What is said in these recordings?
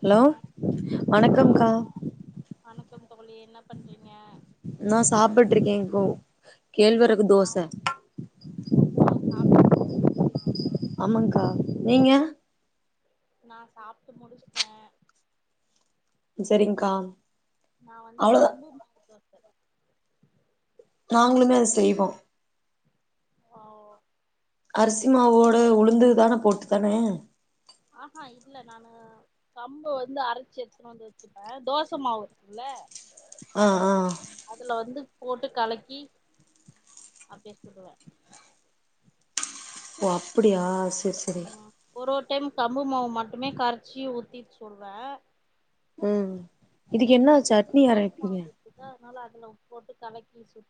hello ஆஹ் வணக்கம்கா வணக்கம் தோழி என்ன பண்றீங்க ஓ கேழ்வரகு ஆ தோசை ஓ சாப்ட்டு ஆமாங்கா நீங்க நான் சாப்ட்டு முடிச்சிட்டேன் சரிங்கா நான் வந்து கம்பும் தோ நாங்களுமே அதை செய்வோம் ஓ அரிசிமாவோட உளுந்துதானே போட்டு தானே ஆஹா இல்ல நானு கம்ப வந்து அரைச்சு எடுத்துன்னு வந்து வச்சுப்பேன் தோசை மாவு இருக்கும்ல ஆன் ஆன் போட்டு கலக்கி அப்படியே சொல்லுவேன் ஓ அப்படியா சரி சரி ம் ஒரு ஒரு டைம் கம்பு மாவு மட்டுமே கரைச்சி ஊத்திட்டு சொல்றேன் ம் இதுக்கு என்ன இன்னைக்கு வந்து சட்னி அரைப்பீங்க அன்இன்டெலிஜபிள் அதனால அதுல உப்பு போட்டு கலக்கி சு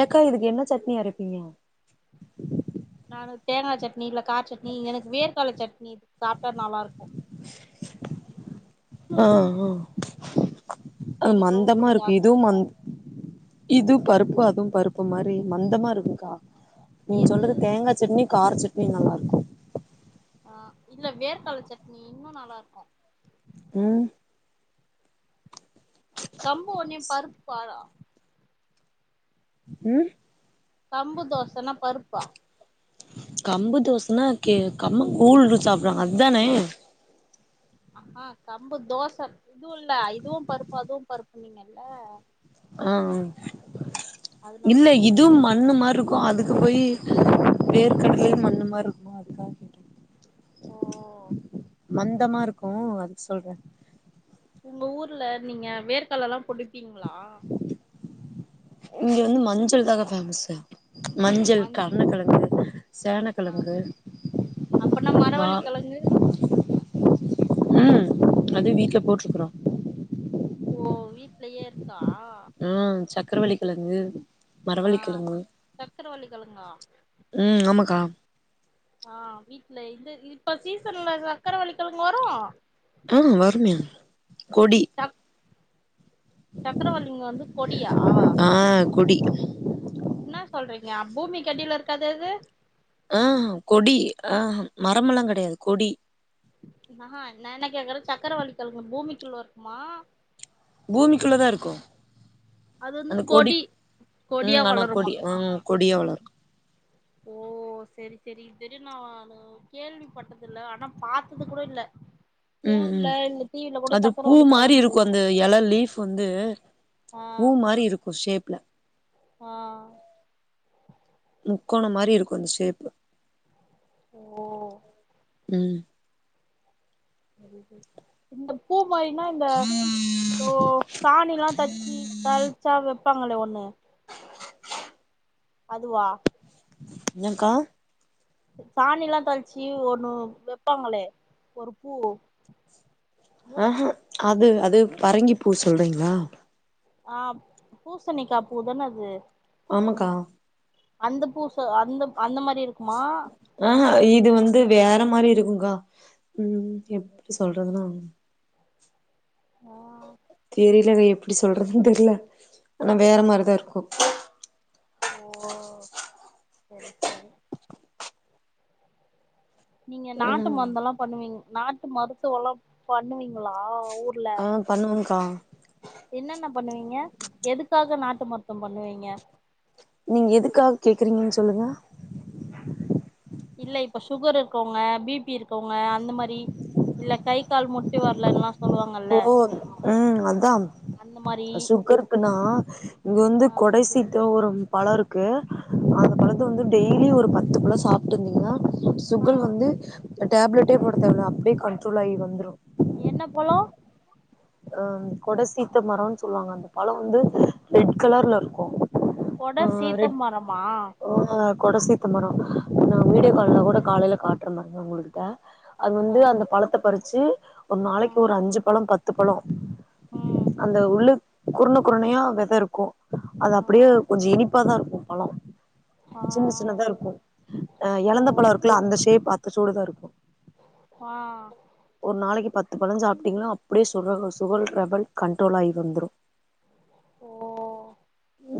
ஏக்கா இதுக்கு என்ன சட்னி அரைப்பீங்க அன்இன்டெலிஜபிள் சட்னி எனக்கு வேர்கால சட்னி சாப்பிட்டா நல்லா இருக்கும் ஆன் ஆ அது எனக்கு ரொம்ப மந்தமா புடிக்கு இருக்கு அது இதுவும் மந்த இது பருப்பு அதுவும் பருப்பு மாதிரி மந்தமா இருக்குக்கா நீங்க எது சொல்றது தேங்கா சட்னி கார சட்னி நல்லாயிருக்கும் ஆஹ் இல்ல வேர்கல்ல சட்னி இன்னும் நல்லா இருக்கும் உம் தம்பு ஒன்னயே பருப்புப் பாரா உம் வா கம்பு தோசைனா கம்மங் கூழு சாப்பறாங்க அதுதானே ஆ ஆன் கம்பு தோச இதுவும் இல்ல இதுவும் பருப்பு அதுவும் பருப்பு சொன்னீங்கல்ல ஆன் அதனால இல்ல கேக்குறே இதுவும் மண்ணு மாரி இருக் ருக்கும் அதுக்கு போய் வேர்கடலயே மண்ணுமாரி இருக்கும் அது தா கேட்டே ஓ மந் சுத்தமா இருக்கும் அதுக்கு சொல்றேன் உங்க ஊர்ல நீங்க வேர்க்கடலல்லாம் போட் ருப்பீங்களா இங்க வந்து மஞ்சள் தாங்க ஃபேமஸ் மஞ்சள் மந்த் கருணக்கெழங்கு ஆ சேனக்கெழங்கு அப்பன்னா வா மரவள்ளி கெழங்கு உம் அதும் வீட்டுல போட்டுருக்குறோம் ஓ வீட்லயே இருக் உம் சக்கரவள்ளி கெழங்கு மரவள்ளி ஆஹ் கெழங்கு சக்கரவள்ளிகெழுங்கா ம் ஆமாக்கா ஆஹ் வீட்ல இந்த இப்ப சீசன்ல சக்கரவள்ளிகெழங்கு வரு ஆஹ் வருமே கொடி சக் சக்கரவள்ளிங்க வந்து கொடியா ஆ கொடி ன்னா சொல்றீங்க அ பூமிக்கடில இருக்காது அது ஆஹ்ஹ கொடி ஆஹ்ஹ மரமெல்லாங் கெடையாது கொடி நா நா என்ன கேக்குற சக்கரவள்ளிகெழங்கு பூமிக்குள்ள இருக்குமா பூமிக்குள்ள தா இருக்கு அது வந்து அந்த கொடி கொடியா உம் ஆனா வளருமா கொடி ஆ உம் கொடியா வளரு ஓ செரி செரி இத்வரயு நானு கேள்விப்பட்டதில்ல ஆனா பாத்தது கூட இல்ல ம் ஃபோன்ல ம் இல்ல டிவில கூட அது பூ சக்கரவள்ளி மாரி கெழங்கு இருக்கூ அந்த எல லீஃப் வந்து ஆ பூ மாரி இருக்கூ ஷேப்ல ஆ முக்கோணோ மாரி இருக்கூ அந்த ஷேப்பு ஓ ம் நறைய பேரு இந்த பூ மாரினா இந்த ஓ சாணிலா தச்சு தழ்ச்சா வெப் பாங்களே ஒன்னு அதுவா ஏங்க்கா சாணிலா தொழ்ச்சி ஒன்னு வெப்பாங்களே ஒரு பூ ஆஹ அது அது பரங்கி பூ சொல்றீங்ளா ஆ பூசணிக்கா பூதான அது மாங்க்கா அந்த பூ ச அந்தப் அந்த மா ஆஹ இது வந்து வேறம் மாரி இருக்கூங்கா ம் எப்டி சொல்றதுனா ஆ தெரிலவே எப்டி சொல்றதுன் தெர்ல ஆனா வேற மாரிதாருக்கூ ஓ செரி சரி நீங்க நாட்டு ம் மருந்தல்லா பண்ணுவீங் நாட்டு மருத்துவொல்லா பண்ணுவீங்குளா ஆ பண்ணுவங்க்கா என்னென்ன பண்ணுவீங்க எதுக்காக நாட்டு மருத்துவோ பண்ணுவீங்க நீங்க எதுக்காக கேக்குறீங்கன் சொல்லுங்க இல்ல இப்ப சுகர் இருக்கவுங்க பிபி இருக்கவுங்க அந்த மாரி இல்ல கை கால் முட்டி வர்லலா கோ ம் அதா அந்த மாரி சுகர்க்குனா இங்க ஆ வந்து கொடை சித்தோ ஒரு பழோ இருக்கு அந்த பழத்த வந்து டெய்லி ஒரு பத்து பழோ சாப்டிங்கன்னா ஆ சுகர் வந்து டேப்லெட்டே போடா தேவல்ல அப்டியே கண்ட்ரோல் ஆயி வந்த்ரூ என்ன பொலா அ கொட சீத்த மரோன் சொல்லுவாங்க அந்த பழோ வந்து ரெட் கலர்ல இருக்கூ கொட சீத்த மரமா கொடசீத்த மரோ ஆ வீடியோ ம் கால்ல கூட காலையில காட் றேங்க உங்கள்கிட்ட அது ஆ வந்து அந்த பழத்த பறிச் சி ஒரு நாளைக்கு ம் ஒரு அஞ்சு பழோ பத் ம் [unintelligible] அந்த உள்ளு.. குறுன குறுணையா வெத இருக்கோ அது ஆ அப்டியே கொஞ்சோ இனிபாதா இருக் பலோ ஆ சின்ன சின்னதா இருக்கு அஹ் எழந்த பழொ இருக்குல்லா அந்த ஷேஃப் த்த சோடுதா இருக்கு ஆஹ் இப்போதா சாப்பிட்டீங்ளா அப் அப்படியே சொகர்ல சுகர் ரெபல் கண்ட்ரோல் ஆகி வந்துடு ஓ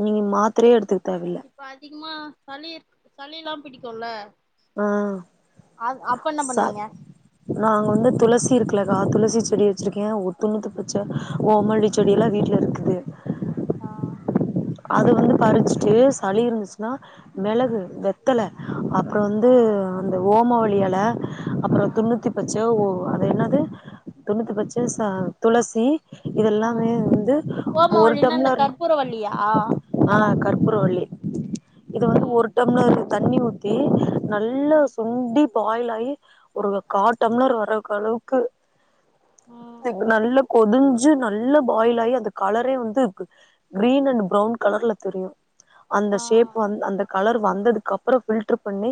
நீங்க மாத்தரையே எடுத்துக் இப்ப அதிகமா சளி இரு சளில்லா பிடிக்குல்ல ஆ அ அப்ப என்ன ச பண்ணுவீங்க நாங்க வந்து துளசி இருக்கலக்கா துளசி செடி வச்சிருக்கே ஒதுண்ணுத்து பச்ச ஓமாளி செடி எல்லா வீட்ல இருக்குது ஆ அது வந்து பறிச்சுட்டு சளி இருந்துச்சுன்னா மெளகு வெத்தல அவ அப்றோ வந்து ஆ அந்த ஓம வழ் எல ஆ அப்றோ தொண்ணூத்தி பச்ச ஓ அத என்னது துணுத்து பச்சு துளசி ஆ இதெல்லாமே வந்து ஒரு ஓமவல்லினா இந்த டம்ளர் கற்பூரவல்லியா ஆ கர்ப்பூரவள்ளி இது வந்து ம் ஒரு டம்லர் தண்ணி ஊத்தி நல்ல ம் சுண்டி பாயில் ஆயி ஒரு கா டம்லர் வரக்க அளவுக்கு ம் நல்லா கொதிஞ்சு ஞ்சு நல்ல பாயில் ஆயி அந்த கலரே வந்து கிரீன் அண்ட் ப்ரவுன் கலர்ல தெரியு அந்த ஆ ஷேப் வந்து அந்த கலர் வந்ததுக்கு அப்றோ ஃபில்டர் பண்ணி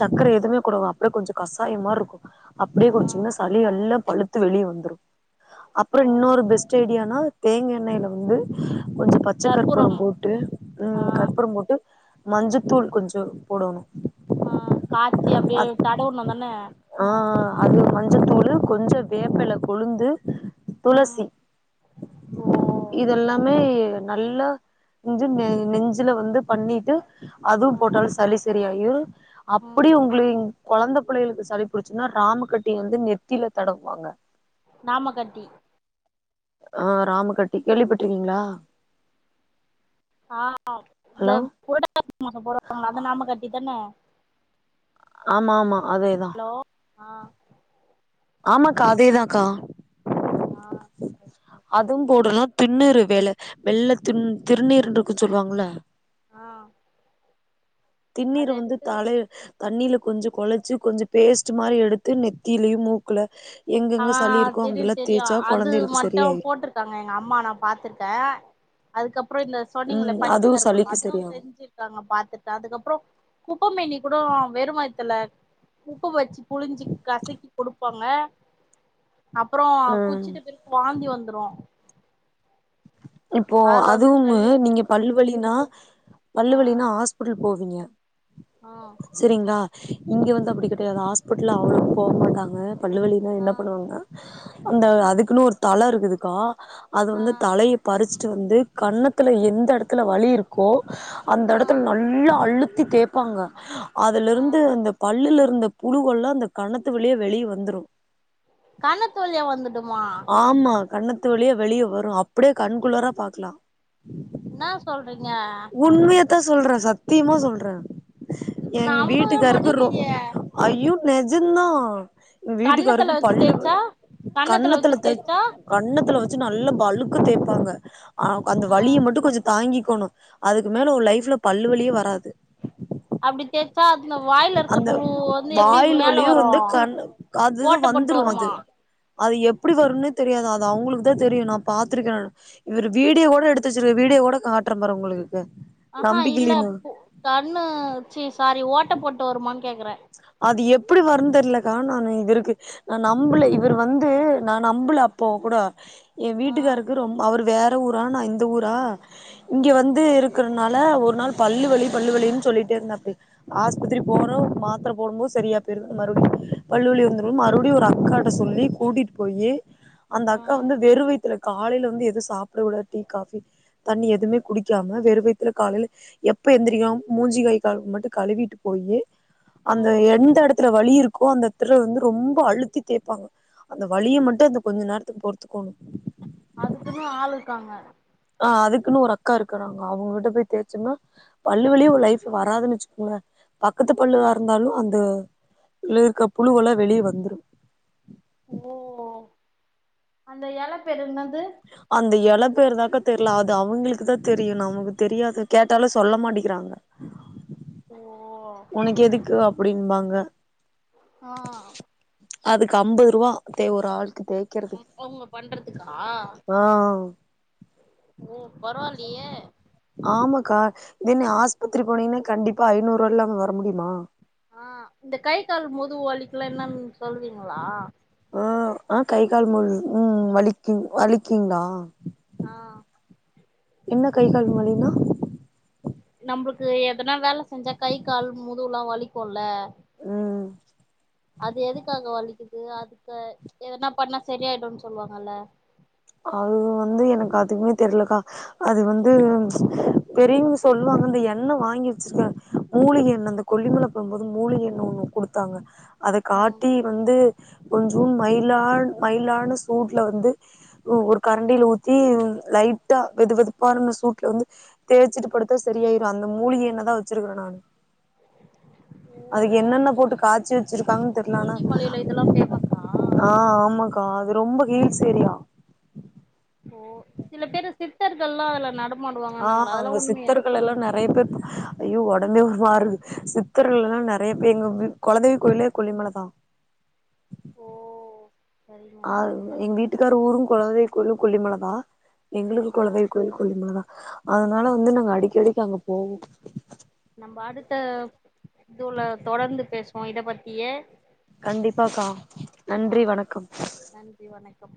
சக்கர எதுவுமே கொடுவா அப்டியே கொஞ்சோ கஷாயம் மாரி இருக்கோ அப்டியே ஆ குச்சீங்கனா சளி எல்லா பழுத்து வெளிய வந்துரு அப்றோ ஓ இன்னொர் பெஸ்ட் ஐடியானா தேங்க் எண்ணெய் ல வந்து கொஞ்சோ பச்சைக் கருப் கற்புரோ கற்பூரம் போட்டு ஆ உம் கற்புரோ போட்டு மஞ்சத்தூள் கொஞ்சோ போடணு ஆ காச்சி அப்டியே அத் தடவுணோ தான ஆ அது மஞ்சத்தூள் கொஞ்சோ வேப்பல கொலுந்து ம் துளசி ஓ இதுல்லாமே நல்ல [unintelligible] நெஞ்சுல வந்து பண்ணிட்டு அதுவோ ம் போட்டால் சளி செரி யூர் அப்டி ம் உங்க கொழந்த புள்ளைகளுக்கு சளி புடிச்சுனா ராமக்கட்டி வந்து நெத்தில தடுவாங்க நாமகட்டி ஆ ராம கட்டி கேள்விப்பட்ருக்கிங்ளா ஆ இந்த புரட்டாசி மாச போடுவாங்கல்ல அந்த நாம கட்டி தான ஆமாமா அதேதா ஆ ஓ ஆமாக்கா அதேதாக்கா ஆ அதும் போ கூடலா திண்ணுறு வேல வெள்ள துன் திருநீருன்றுக்கு சொல்லுவாங்கல்ல ஆ அத திண்ணீர வந்து எடுத்து தல தண்ணில கொஞ்சு கொழச்சி கொஞ்ச பேஸ்ட் மாரி எடுத்து நெத்திலயு மூக்குல ஆ எங்கெங்க சளி இருக்கோ தெரியு அங்கெல்லா தெரியு தேய்ச்சா அது கொழந்தைகளுக்கு மட்டு சரியாயிரு போட்ருக்காங்க எங்க அம்மா நா பாத்துர்க்க அதுக்கப் அப்று இந்த சொன்னிங்கள ம் அதுவு பச்சக்கற்ப்பூற சளிக்கு அதுவு சரியாகு செஞ்சிருக்காங்க பாத்துட் அதுக்கப்புறொ குப்பமேனி புற்றோ வெறு வய்த்துல உப்பு வச்சு புழிஞ்சு கசக்கி குடுப்பாங்க அப்புறோ ம் குச்சிட்டு பிற்க் வாந்தி வந்துரு இப்போ அதுல வந்து அதுவும்மு சளி வந்துரு நீங்க பல் வலினா பல்லு ஆ வலினா ஹாஸ்பிட்டுல் போவிங்க ஆ செரிங்ளா இங்கெ வந்து அப்புடி கெடையாது ஹாஸ்பிட்டல் அவுளுக் போக மாட்டாங்க பல்லு வலினா ஆ என்ன பண்ணுவாங்னா அந்த அதுக்குன்னு ஒரு தல இருக்குதுக்கா அது ஆ வந்து பறிச்ட்டு வந்து கன்னத்துல எந்த எடத்துல வலி இருக்கோ அந் ஆ எடத்துல நல்லா அழுத் த்தி தேப்பாங்க ஆ அதுலருந்து அந்த பல்லுல இருந்த புலுவெல்லா அந்த கன்னத்து வழியா வெளிய வந்துரு கன்னத்து வழியா வந்து ருமா ஆமா கன்னத்து வழியா வெளிய வரு அப்படியே கண் குளிர பாக்கலா என்னா சொல்றிங்க த்த சொல்றே சத்தியமா சொல்றே எங்க நம்பவே வீட்டுக்காருக்கு ரொ முடியலையே அய்யு நெஜந்தா வீட்டுக்கு கன்னத்துல வருக்கு வச்சு பல்லு தேய்ச்சா கன்னத்துல வச்சு கண்ணத்துல தெ தேய்ச்சா கண்ணத்துல வச் ச்சு நல்லா பழுக்க தேப்பாங்க அ அந்த ஆ வலிய மட்டு கொஞ்சொ தாங்கி க்கணு அதுக்கு மேல ஓ லைஃப்ல பல்லுவலியே வராது இந்த வாயிலருக்க அந்த புழு வந்து எப்டி வாயில் மேல வலியு வரூ வந்து கண் அதுதா ஓட்டப்போட்டு வந்துரு வருமா அது அது எப்டி வருன்னே தெரியாது அது அவங்ளுக்கு தா தெரியு நா பாத்துருக்கே நானு இவரு வீடியோ ஓட எடுத்து வச்சிரு வீடியோ ஓட் காட்ர பாரு உங்களுக்கு ஆஹா இல்ல நம்பிக்கில்லினா பு கண்ணு சி சாரி ஓட் டப்போட்டு வருமா கேக்குறே ஆத் இது எப்டி வருன் தெரிலக்கா நானு இவருக்கு நா நம்பல இவர் வந்து நா நம்பல அப்போ கூட ஏ ஆ வீட்டுக்காருக்கு ரொம் அவர் வேர் ந ஊரா நான் இந்த ஊரா இங்க வந்து இருக்குறனால ஒரு நாள் பல்லுவலி பல்லுவலின் சொல்லிட் என்னப்பு ஆஸ்பித்திரி போறோ மாத் த்ர போடும்போ சரியா போயிருது மறுபடி பல்லுவலி வந்துரும் மறுபடியு ஒரு அக்காட்ட சொல்லி கூட்டிட்டு போயி அந்த ஆ அக்கா வந்து வெறு வயித்துல காலைல வந்து எது சாப்டகூடாத் டீ காபி தண்ணி எதுமே குடிக்காம வெறு வயித்துல காலைல எப்ப எந்திரிக்கோ மூஞ்சி கை கால்மட்டு கழுவிட்டு போயி அந்த ம் எந்த எடத்து த வலி இருக்கோ அந்த எடத்துல வந்து ரொம்ப அழுத்தி தேப்பாங்க அந்த வலிய மட்டு அந்த கொஞ்ச நேரத்துக்கு பொறுத்துக்கோணு அதுக்குனு ஆளுருக்காங்க ஆஹ் அதுக்குன்னு ஒரு அக்கா இருக்குறாங்க அவங்ககிட்ட போய் தேய்சன்னா பல்லுவலியே ஒ லைஃப்ல வராதுன்னு வச்சுக்கோம பக்கத்து பல்லுவா இருந்தாலு அந்த லூருக்க புழுவெல்லா வெளிய வந்துரு ஓ அந்த எலப்பேர் என்னத் அந்த எலப் பேர்தாக்கா தெர்ல அது அவங்களுக்கு தான் தெரியு நமக்கு தெரியாது கேட்டாலு சொல்ல மாட்டேக்குறாங்க ஓ ஒனக்கு எதுக்கு அப்பிடின்பாங்க ஆ அதுக்கு அம்பது ருவா தே ஒரு ஆளுக் தேக்கிறதுக்கு அவங்க பண்றதுக்கா ஆஹ் ஓ பரவாயில்லையே கா என்ன ஆஸ்பத்திரி போனீங்கன்னா கண்டிப்பா ஐநூறு இல்லாம வர முடியுமா ஆஹ் இந்த கை கால் முது வலிக்கலாம் என்ன சொல்விங்களா ஆஹ் ஆஹ் கை கால் முது உம் வலிக்கு வலிக்கிங்களா ஆ என்ன கை கால் வலினா ஏ எதுனா வேல செஞ்சா கை கால் முதுல்லா வலிக்குல்ல ம் அது எதுக்காக வலிக்கு து அதுக்க எதுன்ன பண்ணா செரியாயிடுன்னு சொல்லுவாங்கல்ல அது வந்து எனக்கு அதுமே தெரிலக்கா அது வந்து பெரிவிங் சொல்லுவாங்க இந்த எண்ணெய் வாங்கி வெச்சிக்க மூலிக எண்ணெ இந்த கொல்லிமல போகும்போது மூலிக எண்ணெ ஒண்ணு குடுத்தாங்க அத ம் காட்டி வந்து கொஞ்சும் மயிலான் மயிலான சூட்ல வந்து ஒ ஒரு கரண்டியில ஊத்தி லைட்டா வெது வெதுப்பாந்த சூட்ல வந்து தேய்ச்சுட்டு படுத்தா செரியாயிரு அந்த மூலிக எண்ணெதா வெச்சுருக்க நானு ஓ அதுக்கு என்னென்ன போட்டு காய்ச்சி வெச்சிருக்காங்கன் தெர்ல அனா கொல்லிமலையில இதெல்லா ஃபேமஸா ஆஹ் ஆம்மாக்கா அது ரொம்ப ஹீல்ஸ் எரியா ஓ சில பேரு சித்தர்கல்லா அதுல நடப் ஆஹ் அங்கு சித்தர்கள்லெல்லா நெறைய பேர் ஐயோ ஒடம்பே மாறுது சித்திர்கள்ளா நெறைய பேர் எங்கு கொலதெய் கோயிலே கொல்லிமலதா ஓஹ் ஆவ் எங்கு வீட்டுக்காரு ஊரு கொலதெய் கோயிலு கொல்லிமலதா எங்குளுக்கு ஆ கொலதெய்வ கோயில் கொல்லிமலதா அதுனால வந்து நாங்க அடிக்கடிக் அங்க போவோம் வாடுத்த இதுல தொடந்து பேசுவோ இத பத்தியே கண்டிப்பாக்கா ஆ நன்றி வணக்கம் நன்றி வணக்கம்